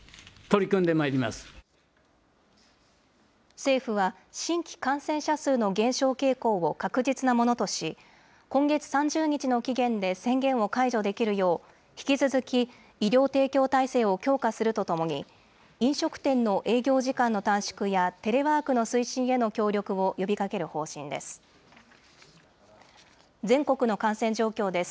政府は、新規感染者数の減少傾向を確実なものとし、今月３０日の期限で宣言を解除できるよう、引き続き医療提供体制を強化するとともに、飲食店の営業時間の短縮やテレワークの推進への協力を呼びかける方針です。